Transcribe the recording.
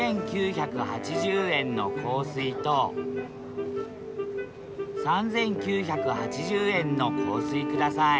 ２，９８０円の香水と３，９８０円の香水ください